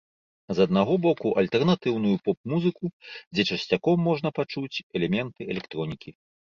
З аднаго боку альтэрнатыўную поп-музыку, дзе часцяком можна пачуць элементы электронікі.